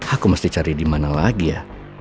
aku mesti cari dimana lagi ya